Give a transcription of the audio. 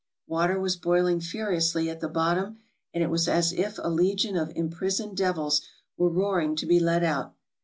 Water was boiling furiously at the bottom, and it was as if a legion of imprisoned devils were roaring to be let out.